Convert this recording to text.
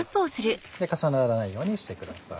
重ならないようにしてください。